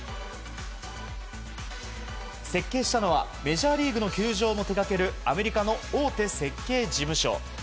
設計したのはメジャーリーグの球場も手掛けるアメリカの大手設計事務所。